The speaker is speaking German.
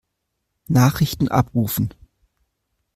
Nachrichten abrufen.